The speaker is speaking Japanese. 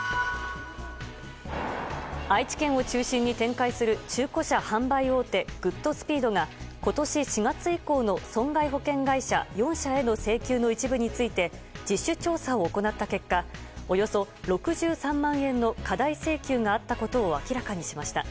愛知県を中心に展開する中古車販売大手グッドスピードが今年４月以降の損害保険会社４社への請求の一部について自主調査を行った結果およそ６３万円の過大請求があったことを明らかにしました。